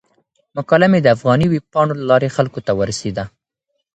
مقاله مې د افغاني ویبپاڼو له لارې خلکو ته ورسیده.